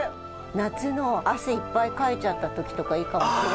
夏の汗いっぱいかいちゃった時とかいいかもしれない。